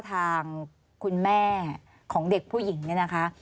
ทางคุณแม่ของเด็กผู้หญิงเนี่ยนะคะ